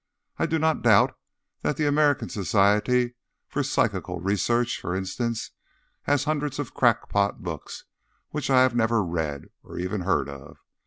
I do not doubt that the American Society for Psychical Research, for instance, has hundreds of crackpot books which I have never read, or even heard of.